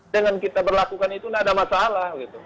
dengan kita berlakukan itu tidak ada masalah